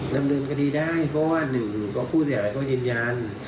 ดำเนินก็ดีได้เพราะว่าหนึ่งก็พูดอย่างให้เขายืนยัน